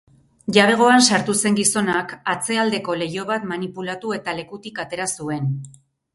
Jabegoan sartu zen gizonak atzealdeko leiho bat manipulatu eta lekutik atera zuen.